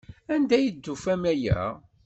Anda ay d-ufan aya?